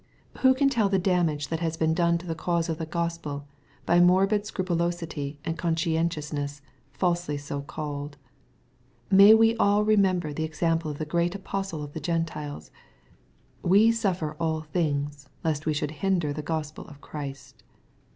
Who can tell the damage that has been done to the cause of the Gospel, by morbid scru pulosity, and conscientiousness, falsely so called ! May we aU remember the example of the great apostle of the Gentiles ;—" we suffer all things, lest we should hinder the Gospel of Christ."